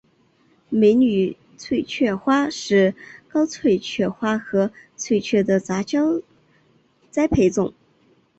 美女翠雀花是高翠雀花和翠雀的杂交栽培种。